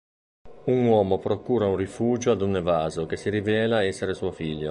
Un uomo procura un rifugio ad un evaso che si rivela essere suo figlio.